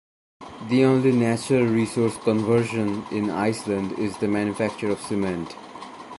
The only natural resource conversion in Iceland is the manufacture of cement.